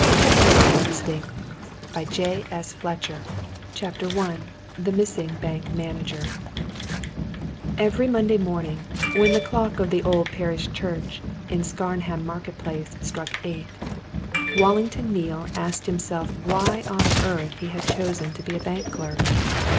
The Prisoner Speaks, 295 CHAPTER I THE MISSING BANK MANAGER Every Monday morning, when the clock of the old parish church in Scarnham Market Place struck eight, Wallington Neale asked himself why on earth he had chosen to be a bank clerk.